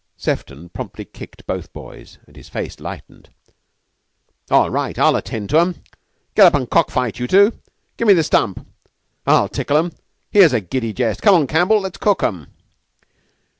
Sefton promptly kicked both boys, and his face lighted. "All right, I'll attend to 'em. Get up an' cock fight, you two. Give me the stump. I'll tickle 'em. Here's a giddy jest! Come on, Campbell. Let's cook 'em."